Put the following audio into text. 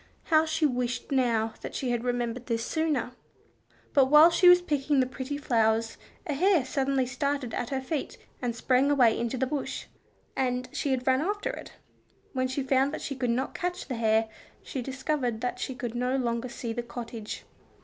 How she wished now she had remembered this sooner! But whilst she was picking the pretty flowers, a hare suddenly started at her feet and sprang away into the bush, and she had run after it. When she found that she could not catch the hare, she discovered that she could no longer see the cottage.